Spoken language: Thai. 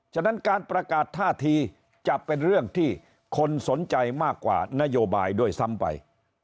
ฉะนั้นการประกาศท่าทีจะเป็นเรื่องที่คนสนใจมากกว่านโยบายด้วยซ้ำไป